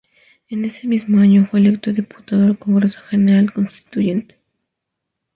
En ese mismo año fue electo diputado al Congreso General Constituyente.